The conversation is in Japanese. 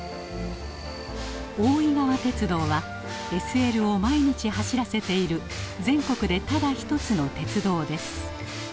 大井川鐵道はＳＬを毎日走らせている全国でただ一つの鉄道です。